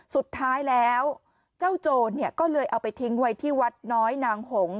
สุดท้ายแล้วเจ้าโจรก็เลยเอาไปทิ้งไว้ที่วัดน้อยนางหง